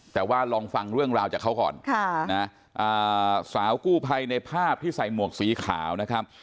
แต่ว่าลองฟังเรื่องราวจากเขาก่อนสาวกู้ภัยในภาพที่ใส่หมวกสีขาวนะครับ